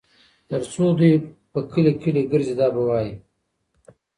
تر څو دوى په کلي کلي ګرځي دا به وايي